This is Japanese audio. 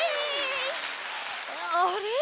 あれ？